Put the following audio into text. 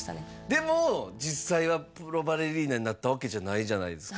でも実際はプロバレリーナになったわけじゃないじゃないですか